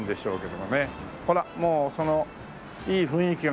ほらもうそのいい雰囲気が。